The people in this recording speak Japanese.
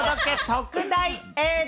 特大エール。